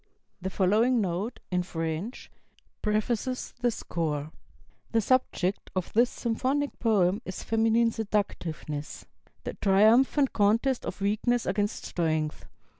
The following note, in French, prefaces the score: "The subject of this symphonic poem is feminine seductiveness, the triumphant contest of weakness against strength.